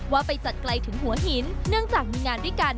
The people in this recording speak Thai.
ว่าไปจัดไกลถึงหัวหินเนื่องจากมีงานด้วยกัน